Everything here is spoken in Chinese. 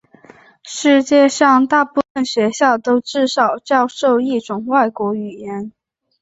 世界上大部分学校都至少教授一种外国语言。